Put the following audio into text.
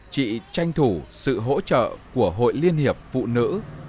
chị tranh thủ sự hỗ trợ của hội liên hiệp phụ nữ